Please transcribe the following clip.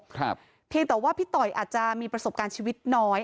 เพียงแต่ว่าพี่ต่อยอาจจะมีประสบการณ์ชีวิตน้อย